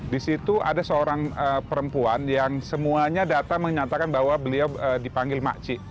di situ ada seorang perempuan yang semuanya data menyatakan bahwa beliau dipanggil makci